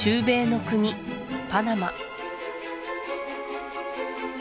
米の国パナマ